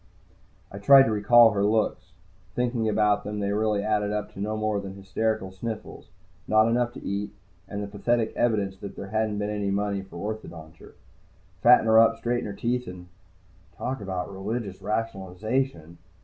I tried to recall her looks. Thinking about them, they really added up to no more than hysterical sniffles, not enough to eat, and the pathetic evidence that there hadn't been any money for orthodonture. Fatten her up, straighten her teeth and Talk about religious rationalization!